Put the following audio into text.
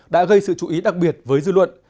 đồng ý đặc biệt với dự luận